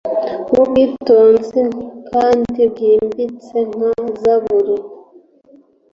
Nkubwitonzi kandi bwimbitse nka zaburi